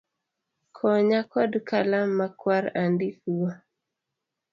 Konya kod Kalam makwar andikgo